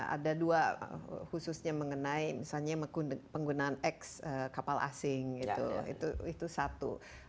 ada dua khususnya mengenai misalnya penggunaan ex kapal asing itu satu